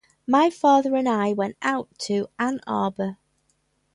My father and I went out to Ann Arbor.